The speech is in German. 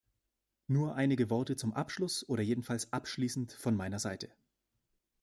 Nur einige Worte zum Abschluss oder jedenfalls abschließend von meiner Seite.